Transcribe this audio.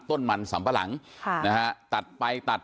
ต้นมันสัมปรังนะครับตัดไปตัด